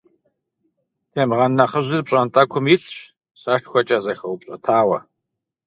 Темгъэн нэхъыжьыр пщӏантӏэкум илъщ, сэшхуэкӏэ зэхэупщӏэтауэ.